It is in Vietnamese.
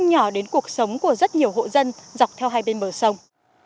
không nhỏ đến cuộc sống của rất nhiều hộ dân dọc theo hai bên bờ sông